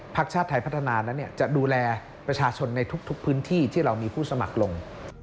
ชาติไทยพัฒนานั้นจะดูแลประชาชนในทุกพื้นที่ที่เรามีผู้สมัครลง